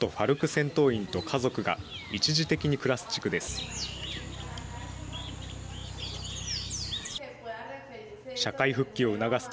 戦闘員と家族が一時的に暮らす地区です。